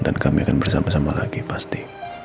dan kami akan bersama sama lagi pasti